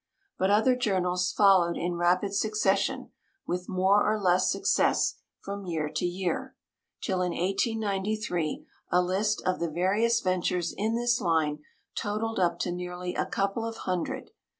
But other journals followed in rapid succession, with more or less success, from year to year, till in 1893 a list of the various ventures in this line totalled up to nearly a couple of hundred.